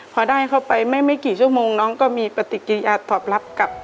พอได้เข้าไปไม่กี่ชั่วโมงน้องก็มีปฏิกิริยาตอบรับกับ